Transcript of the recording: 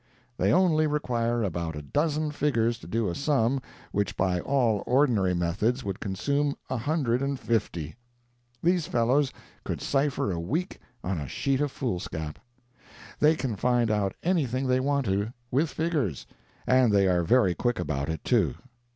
They only require about a dozen figures to do a sum which by all ordinary methods would consume a hundred and fifty. These fellows could cypher a week on a sheet of foolscap. They can find out anything they want to with figures, and they are very quick about it, too.